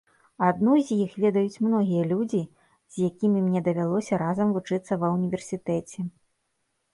Адну з іх ведаюць многія людзі, з якімі мне давялося разам вучыцца ва ўніверсітэце.